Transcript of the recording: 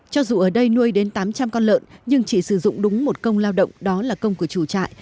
cho dù ở đây nuôi đến tám trăm linh con lợn nhưng chỉ sử dụng đúng một công lao động đó là công của chủ trại